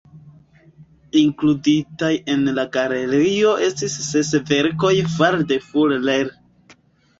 Inkluditaj en la galerio estis ses verkoj fare de Fuller.